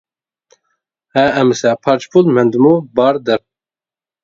ھە ئەمسە پارچە پۇل مەندىمۇ بار دەپ.